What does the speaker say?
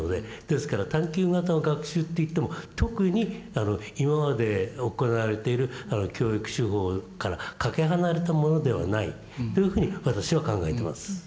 ですから探究型の学習っていっても特に今まで行われている教育手法からかけ離れたものではないというふうに私は考えてます。